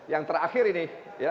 yang terakhir ini